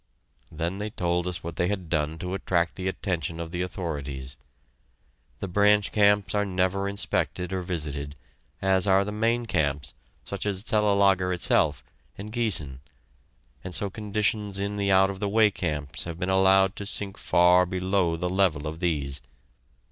Then they told us what they had done to attract the attention of the authorities. The branch camps are never inspected or visited, as are the main camps such as Cellelager itself and Giessen, and so conditions in the out of the way camps have been allowed to sink far below the level of these.